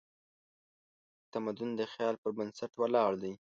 تمدن د خیال پر بنسټ ولاړ دی.